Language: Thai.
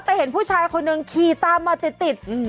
แต่เห็นผู้ชายคนหนึ่งขี่ตามมาติดติด